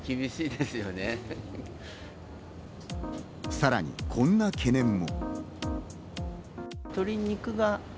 さらに、こんな懸念も。